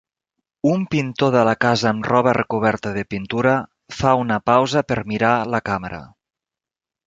Un pintor de la casa amb roba recoberta de pintura fa una pausa per mirar la càmera.